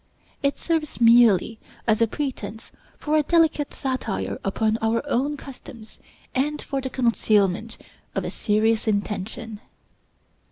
It serves merely as a pretense for a delicate satire upon our own customs and for the concealment of a serious intention.